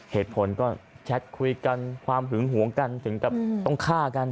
เหตุผลก็แชทคุยกันความหึงหวงกันถึงกับต้องฆ่ากัน